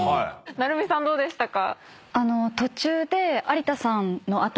鳴海さんどうでしたか？